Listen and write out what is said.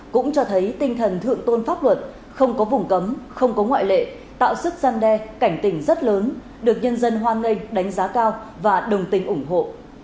cũng cho thấy tinh thần thượng tôn pháp luật không có vùng cấm không có ngoại lệ tạo sức gian đe cảnh tình rất lớn được nhân dân hoan nghênh đánh giá cao và đồng tình ủng hộ